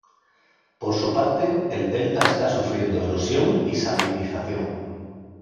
Por su parte, el delta está sufriendo erosión y salinización.